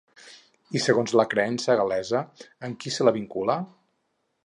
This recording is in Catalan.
I segons la creença gal·lesa, amb qui se la vincula?